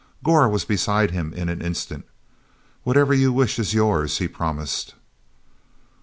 Gor was beside him in an instant. "Whatever you wish is yours," he promised.